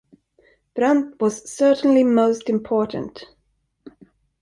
Brandt was certainly most important.